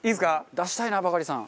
出したいなバカリさん。